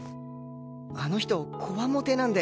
あの人こわもてなんで。